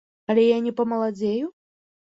Але я не памаладзею?